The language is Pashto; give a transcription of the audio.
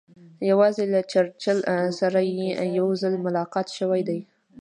یوازې له چرچل سره یې یو ځل ملاقات شوی دی.